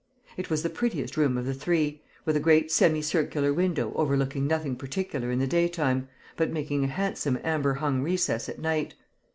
It was the prettiest room of the three, with a great semi circular window overlooking nothing particular in the daytime, but making a handsome amber hung recess at night.